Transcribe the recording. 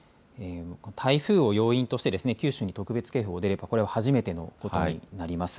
台風を要因として九州に特別警報が出れば初めてのこととなります。